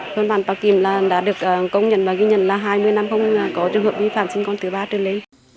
thân bản pa kim đã được công nhận và ghi nhận là hai mươi năm không có trường hợp vi phạm sinh con thứ ba trường lý